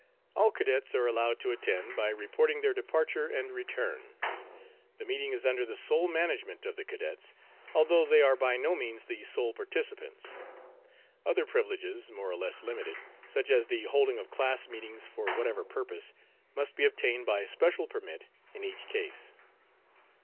All cadets are allowed to attend by reporting their departure and return. The meeting is under the sole management of the cadets, although they are by no means the sole participants. Other privileges, more or less limited, such as the holding of class meetings for whatever purpose, must be obtained by special permit in each case.